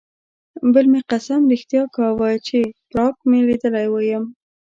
بل مې قسم رښتیا کاوه چې پراګ مې لیدلی یم.